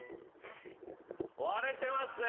割れてますね。